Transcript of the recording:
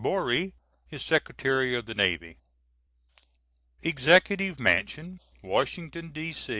Borie is Secretary of the Navy.] EXECUTIVE MANSION Washington, D.